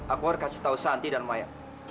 aku harus kasih tahu santi dan maya